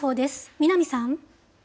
南さん。